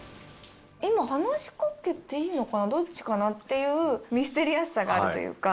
今、話しかけていいのかな、どっちかなっていうミステリアスさがあるというか。